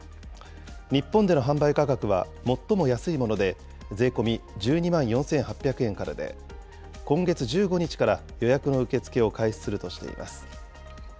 日本での販売価格は最も安いもので税込み１２万４８００円からで、今月１５日から予約の受け付けを開始するとしています。